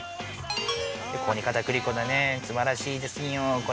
ここに片栗粉、素晴らしいですよね。